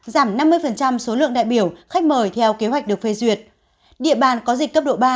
giảm năm mươi số lượng đại biểu khách mời theo kế hoạch được phê duyệt địa bàn có dịch cấp độ ba